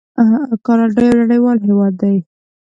کاناډا یو نړیوال هیواد دی.